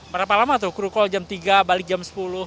berapa lama tuh kru call jam tiga balik jam sepuluh